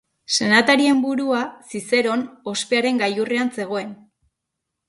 Senatarien burua, Zizeron, ospearen gailurrean zegoen.